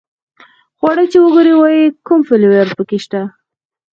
خواړه چې وګوري وایي کوم فلېور په کې شته.